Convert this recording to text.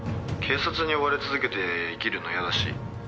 「警察に追われ続けて生きるの嫌だし」